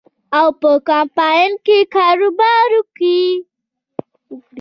او په کمپاین کې کاروبار وکړي.